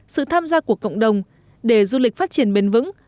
sự tham gia của cộng đồng để du lịch phát triển bền vững